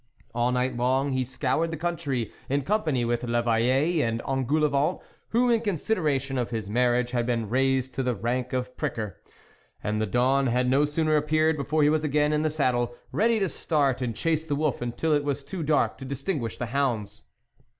All night long he scoured the country in company with l'Eveill6 and Engoulevent, who, in consideration of his marriage had been raised to the rank of pricker ; and the dawn had no sooner appeared before he was again in the saddle, ready to start and chase the wolf until it was too dark to distinguish the hounds.